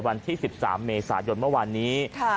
วันที่๑๓เมษายนเมื่อวานนี้